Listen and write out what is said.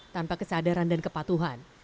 tanpa kesadaran dan kepatuhan